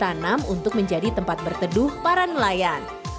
tanam untuk menjadi tempat berteduh para nelayan